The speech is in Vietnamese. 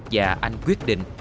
và anh quyết định